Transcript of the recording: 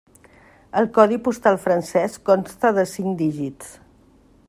El codi postal francès consta de cinc dígits.